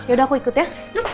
yaudah aku ikut ya